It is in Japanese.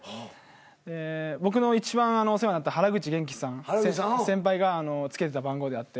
で僕のいちばんお世話になった原口元気さん先輩が付けてた番号であって。